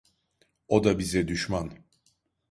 O da bize düşman…